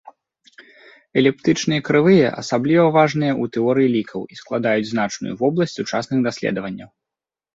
Эліптычныя крывыя асабліва важныя ў тэорыі лікаў і складаюць значную вобласць сучасных даследаванняў.